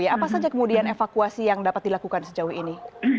apa saja kemudian evakuasi yang dapat dilakukan sejauh ini